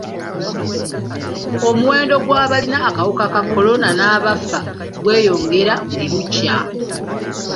Omuwendo gw'abalina akawuka ka kolona n'abafa gweyongera buli lukya.